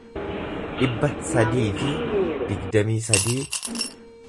dhibba sadii fi digdamii sadii